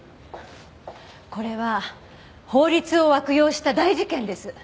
これは法律を悪用した大事件です。